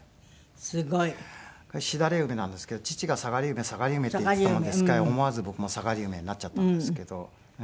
すごい。しだれ梅なんですけど父が「さがり梅さがり梅」って言っていたもんですから思わず僕もさがり梅になっちゃったんですけど。